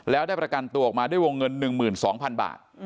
แล้วได้ประกันตัวออกมาด้วยวงเงิน๑๒๐๐๐บาท